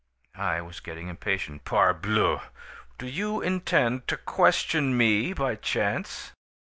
"I was getting impatient. "'Parbleu! Do you intend to question me, by chance?'